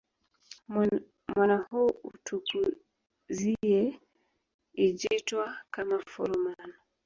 Mwana huu utukuziye ijitwa kama foroman